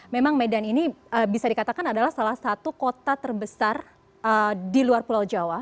memang medan ini bisa dikatakan adalah salah satu kota terbesar di luar pulau jawa